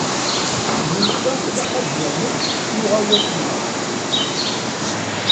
Nufa ilaq ad nanef i uɣawas-nneɣ.